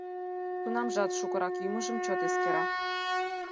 Тунамжат шукырак йӱмыжым чот эскера.